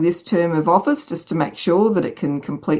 hanya untuk memastikan suara bisa selesai